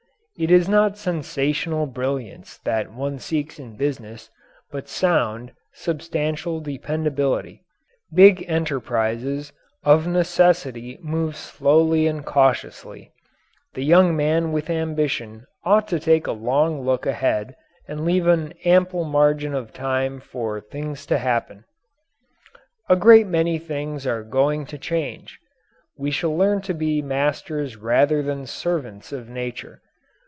It is not sensational brilliance that one seeks in business, but sound, substantial dependability. Big enterprises of necessity move slowly and cautiously. The young man with ambition ought to take a long look ahead and leave an ample margin of time for things to happen. A great many things are going to change. We shall learn to be masters rather than servants of Nature.